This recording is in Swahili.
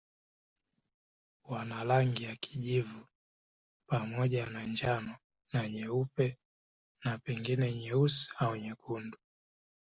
Wana rangi ya kijivu pamoja na njano na nyeupe na pengine nyeusi au nyekundu.